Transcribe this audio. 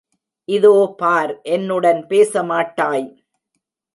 இதோ பார், என்னுடன் பேச மாட்டாய்?